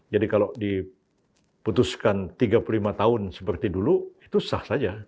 jadi kalau diputuskan tiga puluh lima tahun seperti dulu itu sah saja